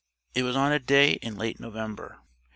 It was on a day in late November.